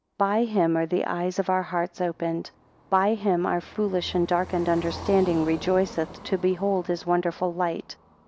17 By him are the eyes of our hearts opened; by him our foolish and darkened understanding rejoiceth to behold his wonderful light.